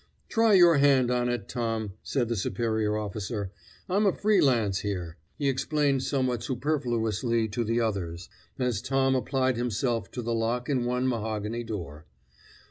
"Try your hand on it, Tom," said the superior officer. "I'm a free lance here," he explained somewhat superfluously to the others, as Tom applied himself to the lock in one mahogany door.